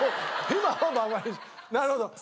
なるほど。